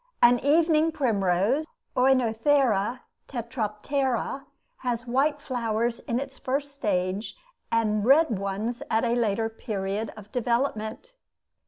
An evening primrose, Oenothera tetraptera, has white flowers in its first stage, and red ones at a later period of development.